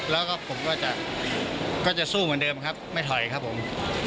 แล้วก็ผมก็จะสู้เหมือนเดิมครับไม่ถอยครับผม